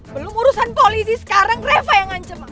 belum urusan polisi sekarang reva yang ngancem